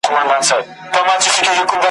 له اسمانه مي راغلی بیرغ غواړم `